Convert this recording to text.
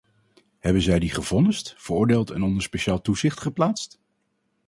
Hebben zij die gevonnist, veroordeeld en onder speciaal toezicht geplaatst?